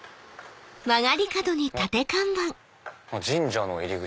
あっ神社の入り口。